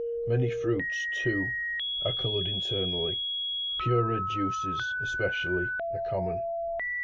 Many fruits, too, are coloured internally; pure red juices, especially, are common.